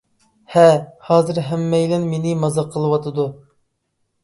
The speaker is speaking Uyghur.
ھە، ھازىر ھەممەيلەن مېنى مازاق قىلىۋاتىدۇ.